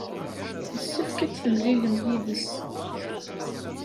Yessefk ad temlilem yid-s.